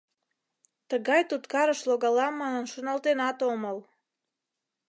Тыгай туткарыш логалам манын шоналтенат омыл.